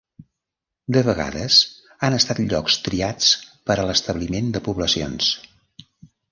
De vegades han estat llocs triats per a l'establiment de poblacions.